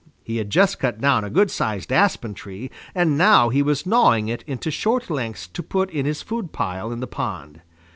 He had just cut down a good sized aspen tree and now he was gnawing it into short lengths to put in his food pile in the pond.